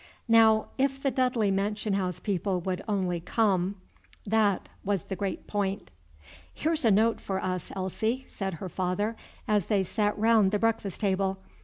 Now, if the Dudley mansion house people would only come, that was the great point. "Here's a note for us, Elsie," said her father, as they sat round the breakfast table.